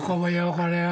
これは。